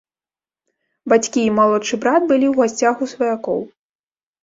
Бацькі і малодшы брат былі ў гасцях у сваякоў.